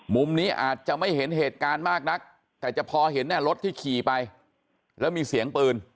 มุมนี้อาจจะไม่เห็นเหตุการณ์มากนักแต่จะพอเห็นรถที่ขี่ไปแล้วมีเสียงปืน